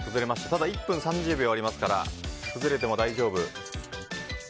ただ１分３０秒ありますから崩れても大丈夫。